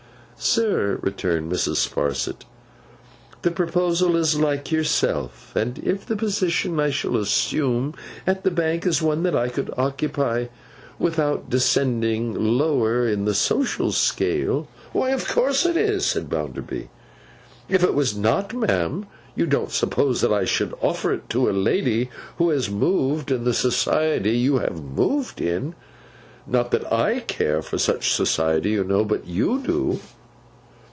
'Sir,' returned Mrs. Sparsit. 'The proposal is like yourself, and if the position I shall assume at the Bank is one that I could occupy without descending lower in the social scale—' 'Why, of course it is,' said Bounderby. 'If it was not, ma'am, you don't suppose that I should offer it to a lady who has moved in the society you have moved in. Not that I care for such society, you know! But you do.